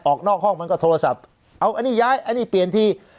ออกนอกห้องมันก็โทรศัพท์เอาอันนี้ย้ายอันนี้เปลี่ยนที